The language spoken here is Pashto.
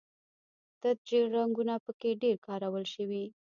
تت ژیړ رنګونه په کې ډېر کارول شوي.